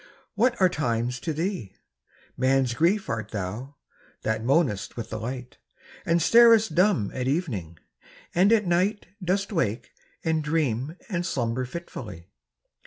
What are times to thee? Man's Grief art thou, that moanest with the light, And starest dumb at evening — and at night Dost wake and dream and slumber fitfully